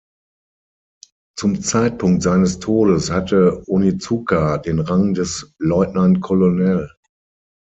Zum Zeitpunkt seines Todes hatte Onizuka den Rang des Lieutenant Colonel.